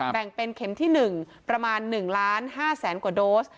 แบ่งเป็นเข็มที่๑ประมาณ๑ล้าน๕แสนกว่าโดส